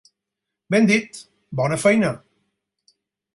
Ben dit! Bona feina.